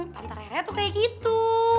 tante reret tuh kayak gitu